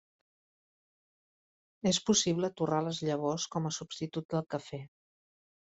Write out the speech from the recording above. És possible torrar les llavors com a substitut del cafè.